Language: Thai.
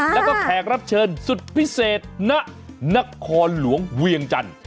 แล้วก็แขกรับเชิญสุดพิเศษณนครหลวงเวียงจันทร์